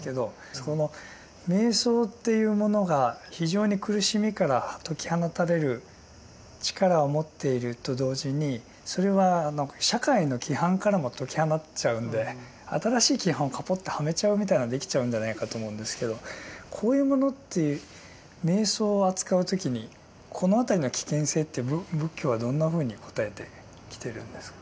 この瞑想っていうものが非常に苦しみから解き放たれる力を持っていると同時にそれは社会の規範からも解き放っちゃうんで新しい規範をカポッとはめちゃうみたいなのができちゃうんじゃないかと思うんですけどこういうものって瞑想を扱う時にこの辺りの危険性って仏教はどんなふうに答えてきてるんですか？